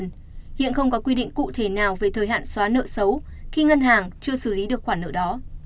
nhưng hiện không có quy định cụ thể nào về thời hạn xóa nợ xấu khi ngân hàng chưa xử lý được khoản nợ đó